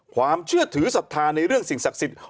ความเชื่อถือศรัทธาในเรื่องสิ่งศักดิ์สิทธิ์